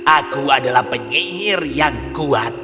aku adalah penyihir yang kuat